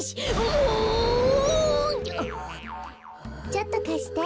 ちょっとかして。